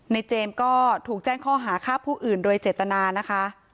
เจมส์ก็ถูกแจ้งข้อหาฆ่าผู้อื่นโดยเจตนานะคะ